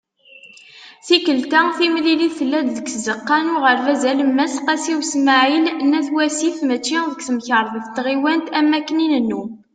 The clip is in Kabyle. Tikelt-a, timlilit tella-d deg Tzeqqa n Uɣerbaz Alemmas "Qasi Usmaɛil" n At Wasif mačči deg Temkarḍit n Tɣiwant am wakken i nennum.